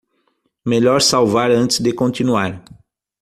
Melhor salvar antes de continuar.